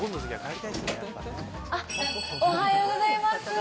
おはようございます。